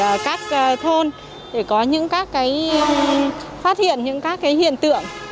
xã để nắm bắt tình hình tại các thôn để có những các cái phát hiện những các cái hiện tượng